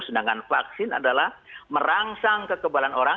sedangkan vaksin adalah merangsang kekebalan orang